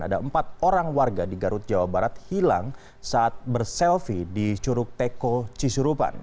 ada empat orang warga di garut jawa barat hilang saat berselfie di curug teko cisurupan